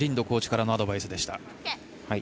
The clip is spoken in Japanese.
コーチからのアドバイスでした。